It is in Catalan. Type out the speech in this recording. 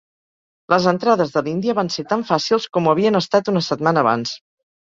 Les entrades de l'Índia van ser tan fàcils com ho havien estat una setmana abans.